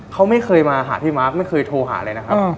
เขาไม่เคยมาหาพี่มาร์คไม่เคยโทรหาเลยนะครับ